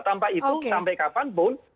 tanpa itu sampai kapanpun